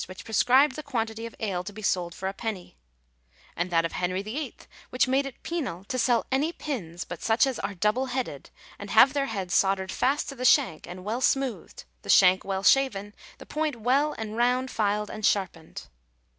which prescribed the quantity of ale to be sold for a penny ; and that of Henry VTIL, which made it penal to sell any pins but such as are " double headed, and have their head soldered fast to the shank, and well smoothed ; the shank well shaven ; the point well and round filed and sharpened."